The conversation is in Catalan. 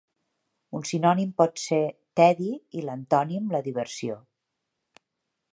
Un sinònim pot ser tedi i l'antònim la diversió.